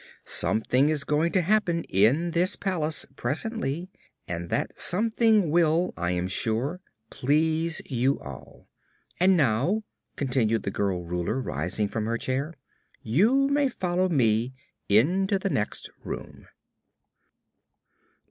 Something is going to happen in this palace, presently, and that 'something' will, I am sure, please you all. And now," continued the girl Ruler, rising from her chair, "you may follow me into the next room."